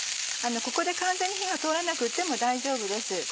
ここで完全に火が通らなくても大丈夫です。